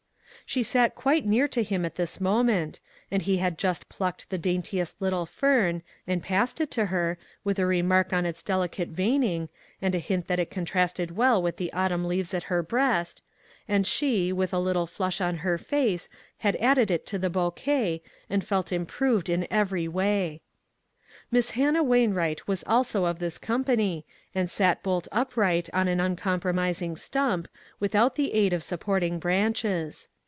She sat quite near to him at this mo ment, and he had just plucked the dainti est little fern, and past it to her, with a remark on its delicate veining, and a hint that it contrasted well with the autumn leaves at her breast, and she, with a little 68 ONE COMMONPLACE DAY. flush on her face had added it to the bou quet, and felt improved in every way. Miss Hannah Wainwright was also of this company and sat bolt upright on an un compromising stump, without the aid of sup porting branches.